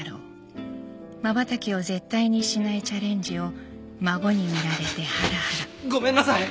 「まばたきを絶対にしないチャレンジを孫に見られてハラハラ」ごめんなさい！